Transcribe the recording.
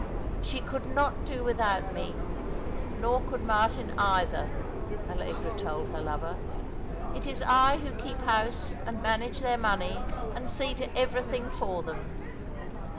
" She could not do without me, nor could Martin either," Allegra told her lover. '* It is I who keep house and manage their money, and see to everything for them.